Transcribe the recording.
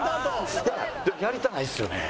いやでもやりたないですよね。